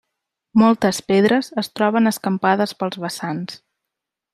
Moltes pedres es troben escampades pels vessants.